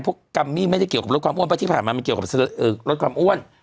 กัมมี่ไม่ได้เกี่ยวกับลดความอ้วนเพราะที่ผ่านมามันเกี่ยวกับลดความอ้วน